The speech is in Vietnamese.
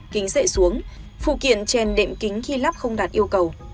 kính dậy xuống phụ kiện chèn đệm kính khi lắp không đạt yêu cầu